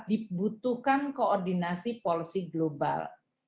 dibutuhkan koordinasi polisi global